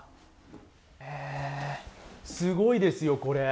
すごいですよ、これ。